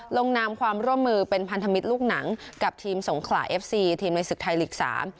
ลงนามความร่วมมือเป็นพันธมิตรลูกหนังกับทีมสงขลาเอฟซีทีมในศึกไทยลีกสาม